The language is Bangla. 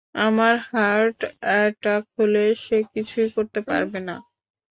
আমার হার্ট অ্যাটাক হলে, সে কিছুই করতে পারবে না।